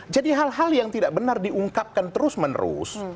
jadi hal hal yang tidak benar diungkapkan terus menerus